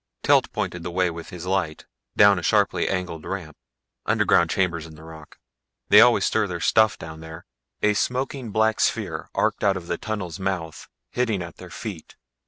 Telt pointed the way with his light, down a sharply angled ramp. "Underground chambers in the rock. They always store their stuff down there " A smoking, black sphere arced out of the tunnel's mouth, hitting at their feet.